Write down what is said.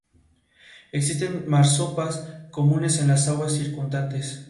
Fue designado juez pacificador y comisario de la frontera de Esteco.